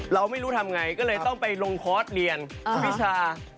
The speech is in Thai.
เราไม่รู้ทำไงก็เลยต้องไปลงคอร์สเรียนวิชา